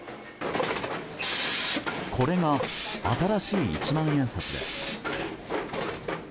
これが新しい一万円札です。